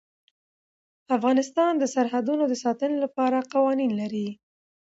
افغانستان د سرحدونه د ساتنې لپاره قوانین لري.